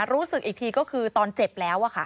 รู้สึกอีกทีก็คือตอนเจ็บแล้ว